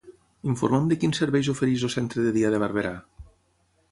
Informa'm de quins serveis ofereix el centre de dia de Barberà.